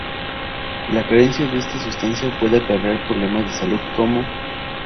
La carencia de esta sustancia, puede acarrear problemas de salud como.